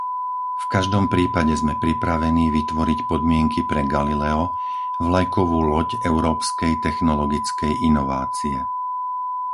V každom prípade sme pripravení vytvoriť podmienky pre Galileo, vlajkovú loď európskej technologickej inovácie.